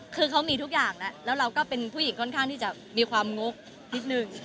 คือเขามีทุกอย่างแล้วแล้วเราก็เป็นผู้หญิงค่อนข้างที่จะมีความงกนิดนึง